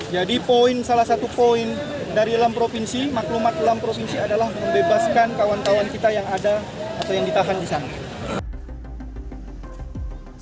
jadi salah satu poin dari alam provinsi maklumat alam provinsi adalah membebaskan kawan kawan kita yang ada atau yang ditahan di sana